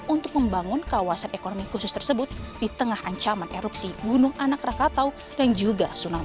untuk membangun kawasan ekonomi khusus tersebut di tengah ancaman erupsi gunung anak rakatau dan juga tsunami